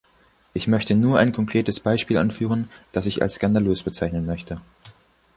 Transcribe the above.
Ich möchte nur ein konkretes Beispiel anführen, das ich als skandalös bezeichnen möchte.